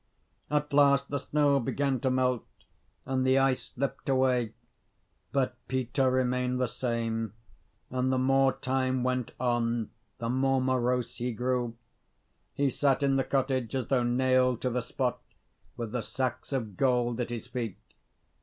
At last the snow began to melt, and the ice slipped away: but Peter remained the same; and, the more time went on, the more morose he grew. He sat in the cottage as though nailed to the spot, with the sacks of gold at his feet.